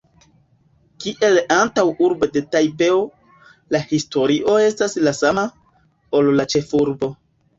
Kiel antaŭurbo de Tajpeo, la historio estas la sama, ol la ĉefurbo.